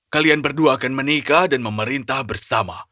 kalian berdua akan menikah dan memerintah bersama